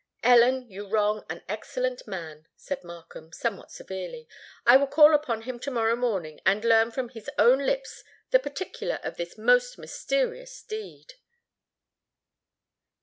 "Ellen, you wrong an excellent man," said Markham, somewhat severely. "I will call upon him to morrow morning, and learn from his own lips the particulars of this most mysterious deed."